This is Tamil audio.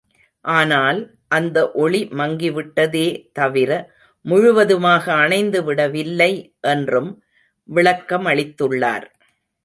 ஆனால், அந்த ஒளி மங்கி விட்டதே தவிர முழுவதுமாக அணைந்து விடவில்லை என்றும் விளக்கமளித்துள்ளார்.